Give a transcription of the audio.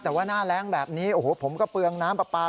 แต่ว่าหน้าแรงแบบนี้โอ้โหผมก็เปลืองน้ำปลาปลา